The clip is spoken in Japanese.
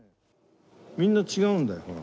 みんな違うんだよほら。